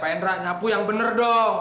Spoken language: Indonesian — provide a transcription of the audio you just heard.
pak endra nyapu yang bener dong